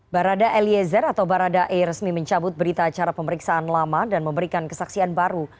barada eliezer atau baradae resmi mencabut berita acara pemeriksaan lama dan memberikan kesaksian baru